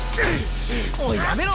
おいやめろ！